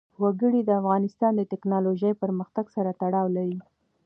وګړي د افغانستان د تکنالوژۍ پرمختګ سره تړاو لري.